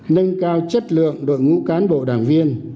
nâng cao chất lượng đội ngũ cán bộ đảng viên